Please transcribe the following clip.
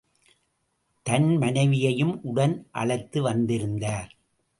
தன் மனைவியையும் உடன் அழைத்து வந்திருந்தார்.